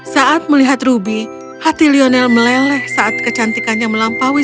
saat melihat ruby hati lionel meleleh saat kecantikannya melampaui